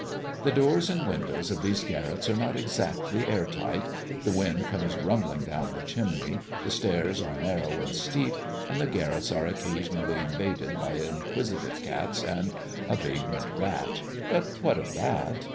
The doors and windows of these garrets are not exactly air tight, the wind comes rumbling down the chimney, the stairs are narrow and steep, and the garrets are occasionally invaded by inquisitive cats and a vagrant rat; but what of that?